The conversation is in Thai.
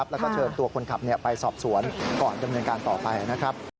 แล้วก็เชิญตัวคนขับไปสอบสวนก่อนดำเนินการต่อไปนะครับ